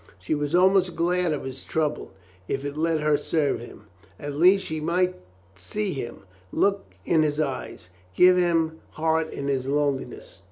She was almost glad of his trouble if it let her serve him. At least she might see him, look in his eyes, give him heart in his loneliness.